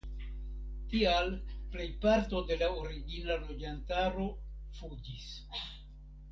Tial plejparto de la origina loĝantaro fuĝis.